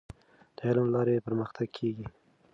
د علم له لارې پرمختګ کیږي.